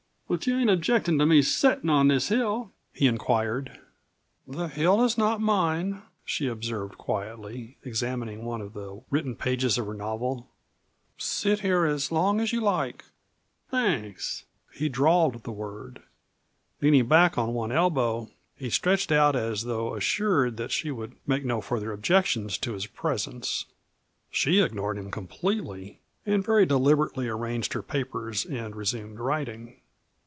But you ain't objectin' to me settin' on this hill?" he inquired. "The hill is not mine," she observed quietly, examining one of the written pages of her novel; "sit here as long as you like." "Thanks." He drawled the word. Leaning back on one elbow he stretched out as though assured that she would make no further objections to his presence. She ignored him completely and very deliberately arranged her papers and resumed writing.